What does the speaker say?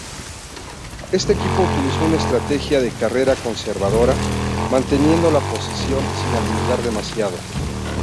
Este equipo utilizó una estrategia de carrera conservadora, manteniendo la posición sin arriesgar demasiado.